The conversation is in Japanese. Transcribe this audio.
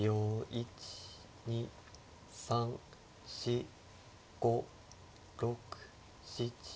１２３４５６７８。